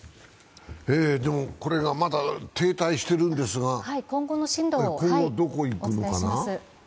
これがまだ停滞しているんですが行方はどこ行くのかな？